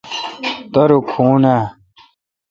دارو کھون اے°۔